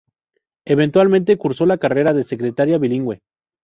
Eventualmente cursó la carrera de secretaria bilingüe.